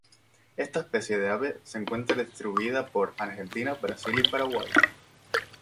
Esta especie de ave se encuentra distribuida por Argentina, Brasil y Paraguay.